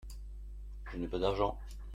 Je n'ai pas d'argent.